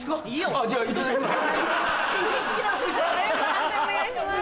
判定お願いします。